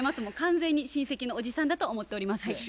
もう完全に親戚のおじさんだと思っております。